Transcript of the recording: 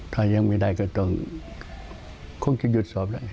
ถ้ายังไม่ได้ก็ต้องคงจะหยุดสอบแล้ว